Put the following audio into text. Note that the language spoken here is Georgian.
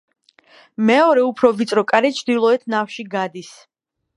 მეორე უფრო ვიწრო კარი ჩრდილოეთ ნავში გადის.